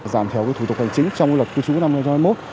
giảm thiểu thủ tục hành chính trong luật cư trú năm hai nghìn hai mươi một